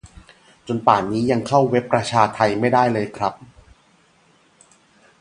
จนป่านนี้ยังเข้าเว็บประชาไทไม่ได้เลยครับ